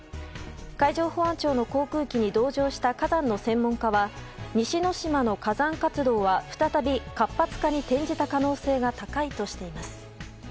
海上保安庁の航空機に同乗した火山の専門家は西之島の火山活動は再び活発化に転じた可能性が高いとしています。